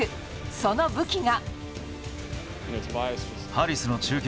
その武器が。